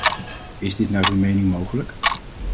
Is dit naar uw mening mogelijk?